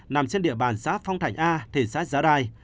nằm trên địa bàn xã phong thạnh a thị xã giá đai